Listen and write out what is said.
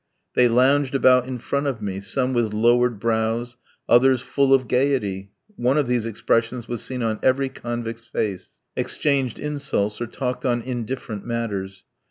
They lounged about in front of me, some with lowered brows, others full of gaiety one of these expressions was seen on every convict's face exchanged insults or talked on indifferent matters.